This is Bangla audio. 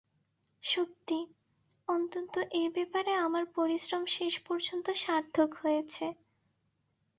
সত্যি, অন্তত এ ব্যাপারে আমার পরিশ্রম শেষপর্যন্ত সার্থক হয়েছে।